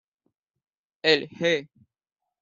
El G.·.